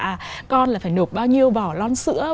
à con là phải nộp bao nhiêu vỏ lon sữa